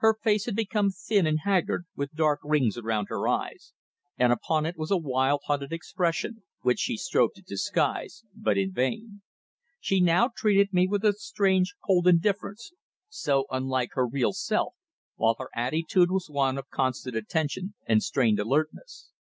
Her face had become thin and haggard, with dark rings around her eyes and upon it was a wild, hunted expression, which she strove to disguise, but in vain. She now treated me with a strange, cold indifference, so unlike her real self, while her attitude was one of constant attention and strained alertness.